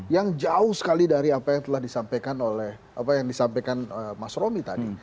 yang jauh sekali dari apa yang telah disampaikan oleh apa yang disampaikan mas romi tadi